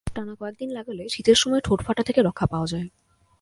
টানা কয়েক দিন লাগালে শীতের সময় ঠোঁট ফাটা থেকে রক্ষা পাওয়া যায়।